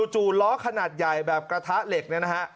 จู่ล้อขนาดใหญ่แบบกระทะเหล็กเนี่ยนะฮะ